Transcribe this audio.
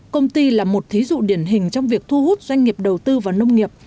công ty là một thí dụ điển hình trong việc thu hút doanh nghiệp đầu tư vào nông nghiệp